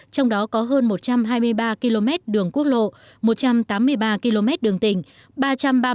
trong đó có hơn một trăm hai mươi ba km đường quốc lộ một trăm tám mươi ba km đường tỉnh